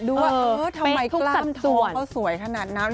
ว่าเออทำไมกล้ามตัวเขาสวยขนาดนั้น